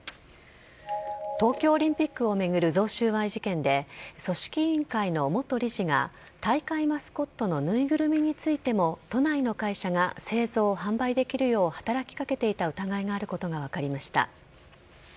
東京オリンピックを巡る贈収賄事件で組織委員会の元理事が大会マスコットのぬいぐるみについても都内の会社が製造・販売できるよう働きかけていた疑いがあることが分かりました。